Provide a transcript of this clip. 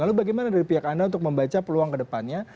lalu bagaimana dari pihak anda untuk membaca peluang kedepannya